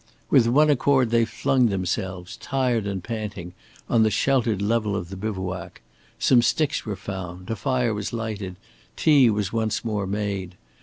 With one accord they flung themselves, tired and panting, on the sheltered level of the bivouac. Some sticks were found, a fire was lighted, tea was once more made.